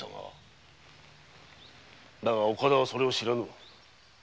だが岡田はそれを知らぬ。